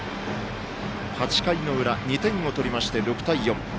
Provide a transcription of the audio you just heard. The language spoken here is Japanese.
８回の裏、２点を取って６対４。